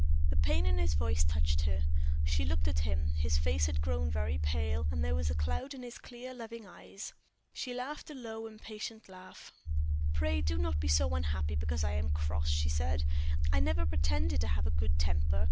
The pain in his voice touched her. She looked at him; his face had grown very pale, and there was a cloud in his clear, loving eyes. She laughed a low, impatient laugh. "Pray do not be so unhappy because I am cross," she said. "I never pretended to have a good temper.